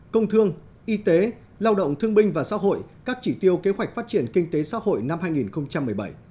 công thương y tế lao động thương binh và xã hội các chỉ tiêu kế hoạch phát triển kinh tế xã hội năm hai nghìn một mươi bảy